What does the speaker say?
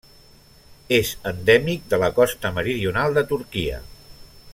És endèmic de la costa meridional de Turquia.